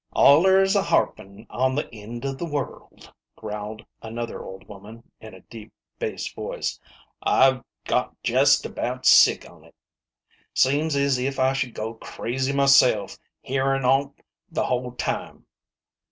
" Allers a harpin' on the end of the world," growled an other old woman, in a deep bass voice. " I've got jest about sick on't. Seems as if I should go crazy myself, hearin' on't the whole time."